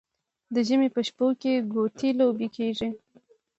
د ژمي په شپو کې ګوتې لوبه کیږي.